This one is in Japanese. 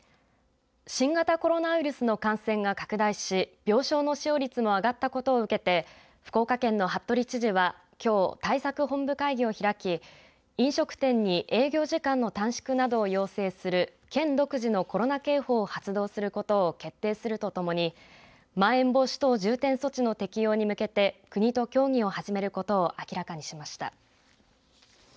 新型コロナウイルスの感染が拡大し病床の使用率も上がったことを受けて福岡県の服部知事は、きょう対策本部会議を開き飲食店に営業時間の短縮などを要請する県独自のコロナ警報を発動することを決定するとともにまん延防止等重点措置の適用に向けて国と協議を始めることを明らかにしました。